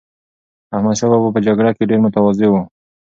احمدشاه بابا په جګړه کې ډېر متواضع و.